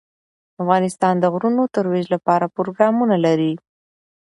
افغانستان د غرونه د ترویج لپاره پروګرامونه لري.